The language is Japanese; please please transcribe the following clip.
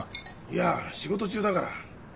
いや仕事中だから。